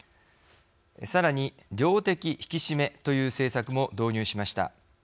さらに、量的引き締めという政策も導入しました。